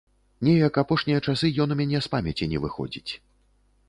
Неяк апошнія часы ён у мяне з памяці не выходзіць.